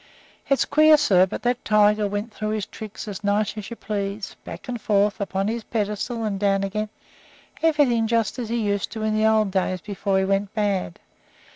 It's queer, sir, but that tiger went through his tricks as nice as you please, back and forth, up on his pedestal and down again, everything just as he used to do in the old days before he went bad.